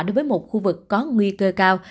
đối với một khu vực có nguy cơ cao